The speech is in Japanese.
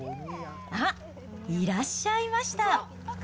あっ、いらっしゃいました。